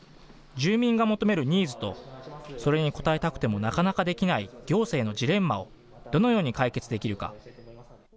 住民が求めるニーズと、それに応えたくてもなかなかできない行政のジレンマをどのように解決できるか。